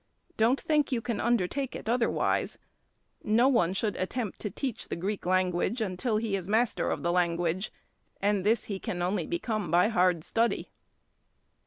Don't think you can undertake it otherwise. No one should attempt to teach the Greek language until he is master of the language; and this he can only become by hard study.